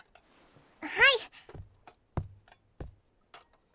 はい！